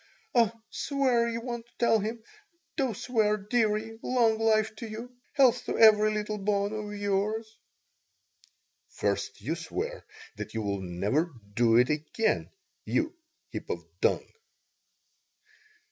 "Oh, swear that you won't tell him! Do swear, dearie. Long life to you. Health to every little bone of yours." "First you swear that you'll never do it again, you heap of dung."